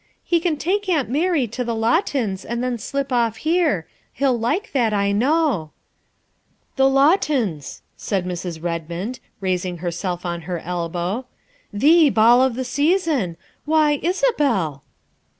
He can take 328 THE WIFE OF Aunt Mary to the Lawtons and then slip off here ; he '11 like that, I know." " The Lawtons," said Mrs. Redmond, raising herself on her elbow, " the ball of the season why, Isabel!"